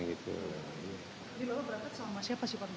jadi lo berangkat sama siapa sih pak